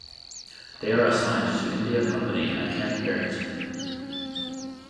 They are assigned to India Company at Camp Barrett.